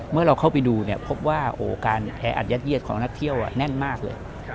เมื่อเราเข้าไปดูพบว่าโยเว่นแผงอัดแยดของนักท่าเที่ยวแน่นมากเลย